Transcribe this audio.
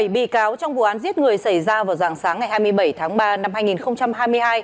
bảy bị cáo trong vụ án giết người xảy ra vào dạng sáng ngày hai mươi bảy tháng ba năm hai nghìn hai mươi hai